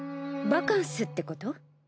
バカンスってこと？